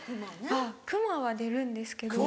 あっ熊は出るんですけど。